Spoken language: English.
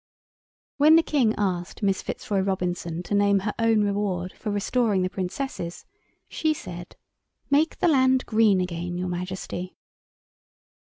When the King asked Miss Fitzroy Robinson to name her own reward for restoring the Princesses, she said— "Make the land green again, your Majesty."